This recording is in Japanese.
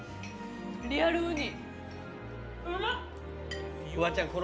リアルウニ。